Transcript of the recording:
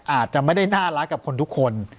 อาจจะไม่ได้น่ารักกับคนทุกคน